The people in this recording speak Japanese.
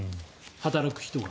働く人が。